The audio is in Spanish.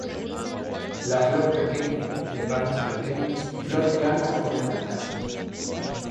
La flor pequeña, en ramos pequeños, flor plana a forma de taza.